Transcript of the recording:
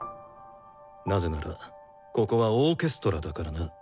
なぜならここはオーケストラだからな。